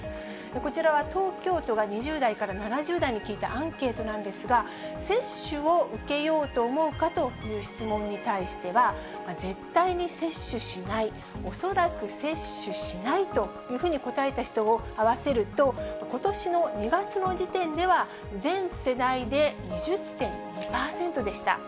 こちらは東京都が２０代から７０代に聞いたアンケートなんですが、接種を受けようと思うかという質問に対しては、絶対に接種しない、恐らく接種しないというふうに答えた人を合わせると、ことしの２月の時点では、全世代で２０．２％でした。